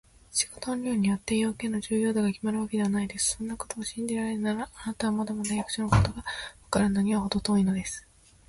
仕事の量によって、用件の重要度がきまるのではないのです。そんなことを信じられるなら、あなたはまだまだ役所のことがわかるのにはほど遠いのです。